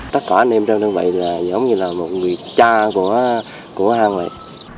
tất cả anh em trong đơn vị là giống như là một người cha của hân vậy